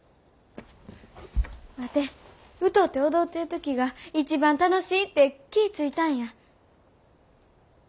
ワテ歌うて踊ってる時が一番楽しいって気ぃ付いたんや。